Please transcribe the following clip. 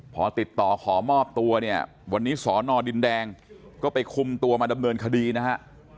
พอติดต่อขอมอบตัวเนี่ยวันนี้สอนอดินแดงก็ไปคุมตัวมาดำเนินคดีนะฮะ